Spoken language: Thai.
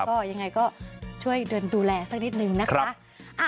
ก็ยังไงก็ช่วยเดินดูแลสักนิดนึงนะคะ